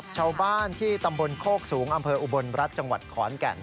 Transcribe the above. ชาวบ้านที่ตำบลโคกสูงอำเภออุบลรัฐจังหวัดขอนแก่น